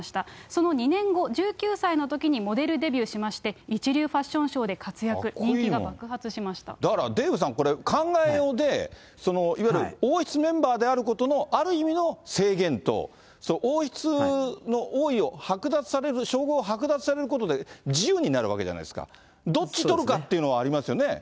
その２年後、１９歳のときにモデルデビューしまして、一流ファッションショーで活躍、だからデーブさん、これ考えようで、いわゆる王室メンバーであることの、ある意味の制限と、王室の王位を剥奪される、称号を剥奪されることで自由になるわけじゃないですか、どっち取るかっていうのはありますよね。